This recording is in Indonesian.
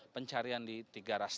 pencarian di tiga ras